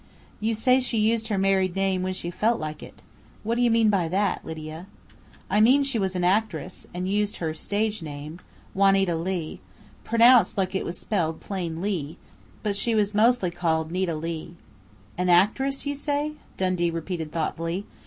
"You say she used her married name 'when she felt like it....' What do you mean by that, Lydia?" "I mean she was an actress, and used her stage name Juanita Leigh pronounced like it was spelled plain 'Lee'; but she was mostly called 'Nita Leigh'." "An actress, you say?" Dundee repeated thoughtfully.